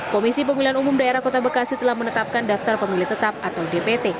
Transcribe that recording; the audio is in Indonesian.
komisi pemilihan umum daerah kota bekasi telah menetapkan daftar pemilih tetap atau dpt